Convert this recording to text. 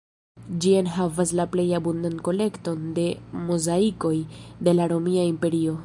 Ĝi enhavas la plej abundan kolekton de mozaikoj de la romia imperio.